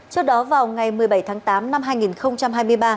trước đó vào ngày một mươi bảy tháng tám năm hai nghìn tám